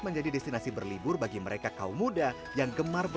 bagaimana menurut kalian ke banyuwangi btw